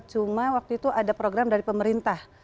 cuma waktu itu ada program dari pemerintah